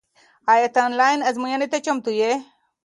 آیا ته آنلاین ازموینې ته چمتو یې؟